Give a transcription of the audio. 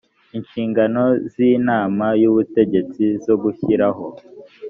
inshingano z inama y ubutegetsi zo gushyiraho